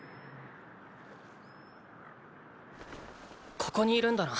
ここにいるんだな。